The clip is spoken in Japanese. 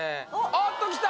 あっときた